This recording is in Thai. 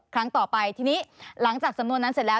ครั้งต่อไปทีนี้หลังจากสำนวนนั้นเสร็จแล้ว